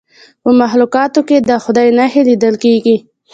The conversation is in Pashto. په مخلوقاتو کې د خدای نښې لیدل کیږي.